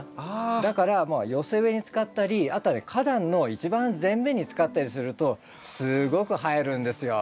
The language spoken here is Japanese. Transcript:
だから寄せ植えに使ったりあとは花壇の一番前面に使ったりするとすごく映えるんですよ。